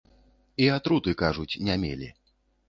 І атруты, кажуць, не мелі.